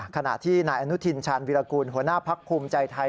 ขณะที่นายอนุทินชาญวิรากูลหัวหน้าพักภูมิใจไทย